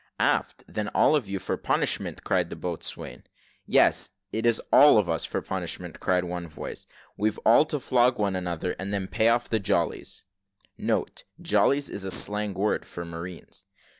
"Aft, then, all of you, for punishment," cried the boatswain. "Yes, it is all of us for punishment," cried one voice. "We've all to flog one another, and then pay off the jollies." [Note: Jollies is a slang word for Marines.